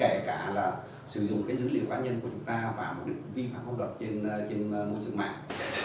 kể cả là sử dụng cái dữ liệu cá nhân của chúng ta và không được vi phạm phong đoạn trên môi trường mạng